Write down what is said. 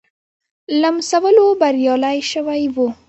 لمسولو بریالی شوی وو.